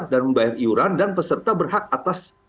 dan membayar iuran dan peserta berhak atas